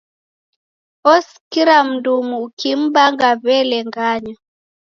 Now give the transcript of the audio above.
Osikira mndumu ukim'mbanga, w'ele ng'anya!